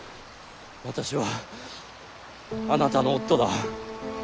私はあなたの夫だ。